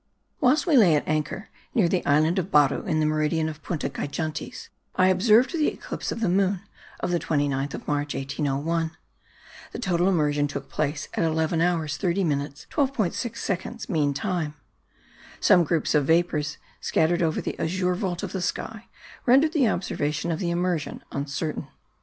Whilst we lay at anchor near the island of Baru in the meridian of Punta Gigantes I observed the eclipse of the moon of the 29th of March, 1801. The total immersion took place at 11 hours 30 minutes 12.6 seconds mean time. Some groups of vapours, scattered over the azure vault of the sky, rendered the observation of the immersion uncertain.